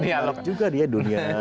nialog juga dia dunia